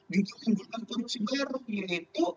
dihubungkan korupsi baru yaitu